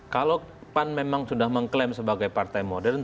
kalau pan memang sudah mengklaim sebagai partai modern